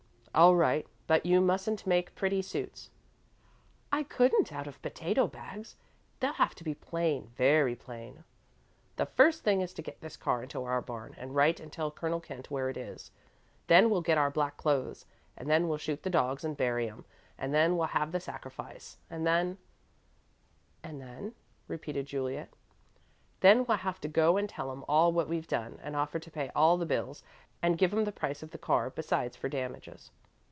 "All right, but you mustn't make pretty suits." "I couldn't, out of potato bags. They'll have to be plain very plain." "The first thing is to get this car into our barn, and write and tell Colonel Kent where it is. Then we'll get our black clothes, and then we'll shoot the dogs and bury 'em, and then we'll have the sacrifice, and then " "And then," repeated Juliet. "Then we'll have to go and tell 'em all what we've done, and offer to pay all the bills, and give 'em the price of the car besides for damages."